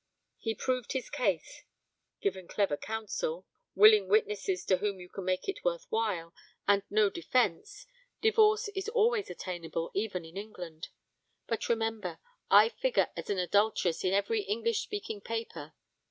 He proved his case; given clever counsel, willing witnesses to whom you make it worth while, and no defence, divorce is always attainable even in England. But remember: I figure as an adulteress in every English speaking paper.